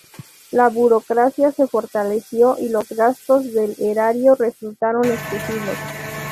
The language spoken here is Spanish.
La burocracia se fortaleció y los gastos del erario resultaron excesivos.